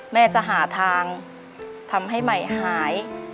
แม่จะหาทางทำให้ใหม่หาย